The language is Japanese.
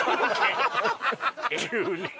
急に。